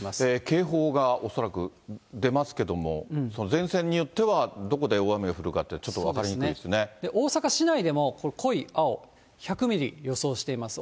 警報が恐らく出ますけども、前線によってはどこで大雨が降るかって、ちょっと分かりにくいで大阪市内でも濃い青、１００ミリ予想してます。